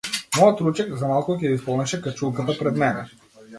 Мојот ручек, за малку ќе ја исполнеше качулката пред мене.